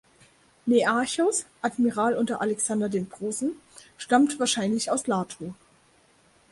Nearchos, Admiral unter Alexander dem Großen stammt wahrscheinlich aus Lato.